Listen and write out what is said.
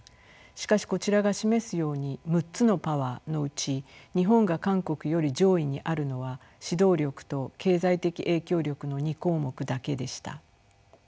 しかしこちらが示すように６つのパワーのうち日本が韓国より上位にあるのは指導力と経済的影響力の２項目だけでした。